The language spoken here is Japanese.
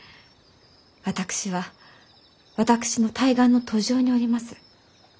私は私の大願の途上におります。